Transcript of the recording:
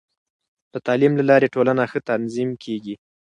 د تعلیم له لارې، ټولنه ښه تنظیم کېږي.